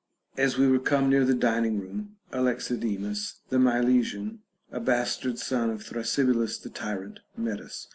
9 As we were come near the dining room, Alexidemus the Milesian, a bastard son of Thrasybulus the Tyrant, met us.